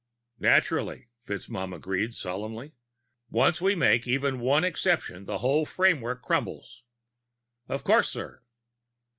"Naturally," FitzMaugham agreed solemnly. "Once we make even one exception, the whole framework crumbles." "Of course, sir."